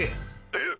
えっ！？